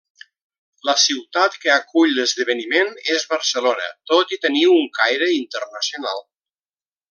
La ciutat que acull l'esdeveniment és Barcelona, tot i tenir un caire internacional.